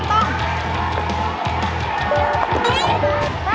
เอาสมต้อง